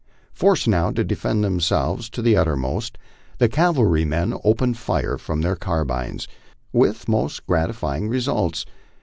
Forced now to defend themselves to the uttermost, the cavalrymen opened fire from their carbines, with most gratifying results.